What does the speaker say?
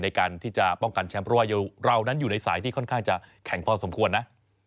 ในการที่จะป้องกันแชมป์เพราะว่าเรานั้นอยู่ในสายที่ค่อนข้างจะแข็งพอสมควรนะ